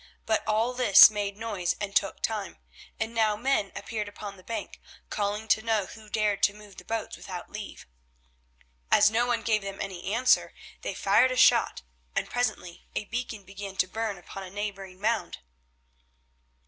But all this made noise and took time, and now men appeared upon the bank, calling to know who dared to move the boats without leave. As no one gave them any answer, they fired a shot, and presently a beacon began to burn upon a neighbouring mound.